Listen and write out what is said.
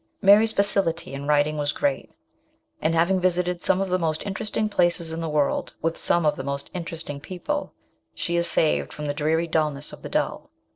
Mary's facility in writing was great, and having visited some of the most interesting places in the world, with some of the most interesting people, she is saved from the dreary dulness of the dull.